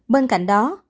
bên cạnh đó